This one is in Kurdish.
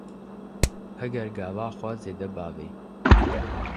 Heger gava xwe zêde bavê